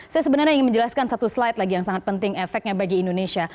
saya sebenarnya ingin menjelaskan satu slide lagi yang sangat penting efeknya bagi indonesia